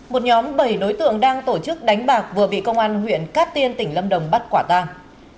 một nhóm bảy đối tượng đang tổ chức đánh bạc vừa bị công an huyện cát tiên tỉnh lâm đồng bắt quả tang